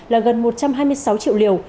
là gần một trăm hai mươi sáu triệu liều